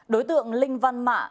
đối tượng linh văn mạ